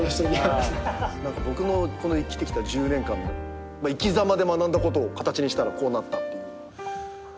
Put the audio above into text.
僕のこの生きてきた１０年間生きざまで学んだことを形にしたらこうなったっていう。